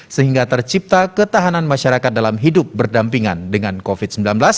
sehingga tercipta ketahanan masyarakat dalam hidup berdampingan dengan covid sembilan belas